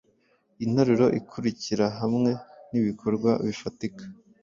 Interuro ikurikirahamwe nibikorwa bifatika